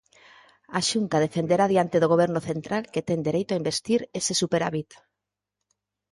A Xunta defenderá diante do Goberno central que ten dereito a investir ese superávit.